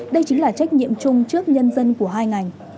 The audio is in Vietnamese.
đây chính là trách nhiệm chung trước nhân dân của hai ngành